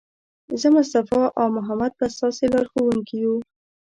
زه، مصطفی او محمد به ستاسې لارښوونکي یو.